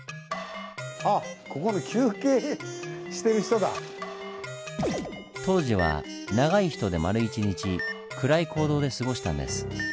あっここで当時は長い人で丸一日暗い坑道で過ごしたんです。